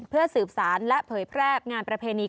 เพื่อสืบสารและเผยแพร่งานประเพณี